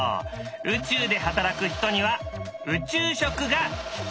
宇宙で働く人には宇宙食が必要なんだ。